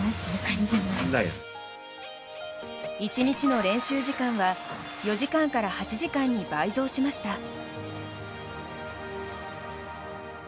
１日の練習時間は４時間から８時間に倍増しました。